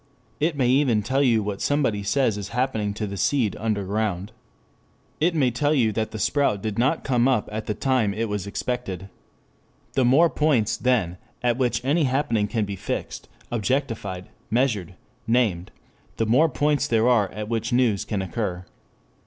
It may even tell you what somebody says is happening to the seed under ground. It may tell you that the sprout did not come up at the time it was expected. The more points, then, at which any happening can be fixed, objectified, measured, named, the more points there are at which news can occur.